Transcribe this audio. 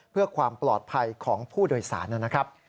เพื่อความปลอดภัยของผู้โดยสารนะครับ